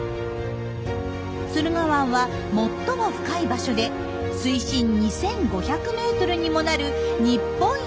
駿河湾は最も深い場所で水深２，５００ｍにもなる日本一深い湾です。